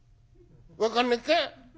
分かんねえか？